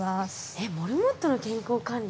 えっモルモットの健康管理？